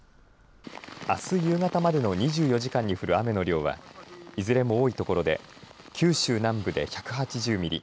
あす夕方までの２４時間に降る雨の量はいずれも多い所で九州南部で１８０ミリ